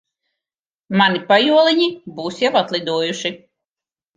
Mani pajoliņi būs jau atlidojuši.